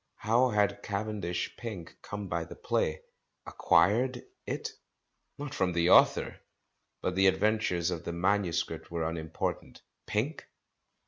How had Cavendish Pink come by the play? "Acquired" it? Not from the author. But the adventures of the manuscript were unimportant. Pink